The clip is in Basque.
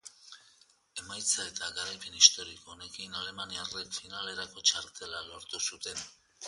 Emaitza eta garaipen historiko honekin, alemaniarrek finalerako txartela lortu zuten.